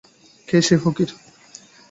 কে সেই ফকির?